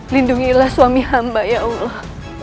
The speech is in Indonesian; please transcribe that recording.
lindungilah suami hamba ya allah